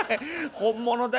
本物だよ。